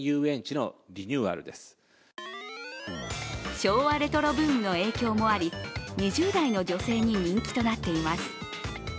昭和レトロブームの影響もあり２０代の女性に人気となっています。